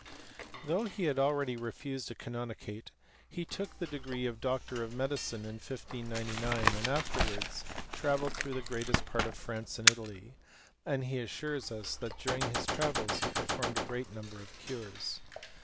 Though he had. already refused a canonicate, he took the degree of doctor of medicine, in 1599, and afterwards travelled through the greatest part of France and Italy ; and he assures us, that during his travels, he performed a great num ber of cures.